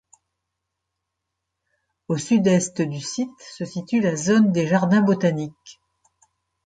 Au sud-est du site se situe la zone des jardins botaniques.